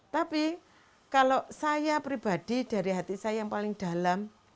tapi kalau saya pribadi dari hati saya yang paling dalam